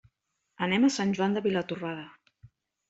Anem a Sant Joan de Vilatorrada.